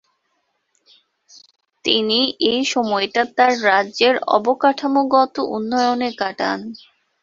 তিনি এ সময়টা তার রাজ্যের অবকাঠামোগত উন্নয়নে কাটান।